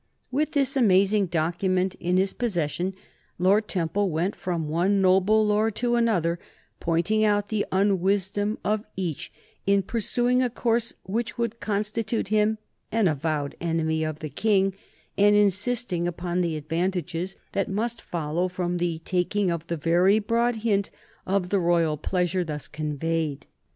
With this amazing document in his possession Lord Temple went from one noble lord to another, pointing out the unwisdom of each in pursuing a course which would constitute him an avowed enemy of the King, and insisting upon the advantages that must follow from the taking of the very broad hint of the royal pleasure thus conveyed.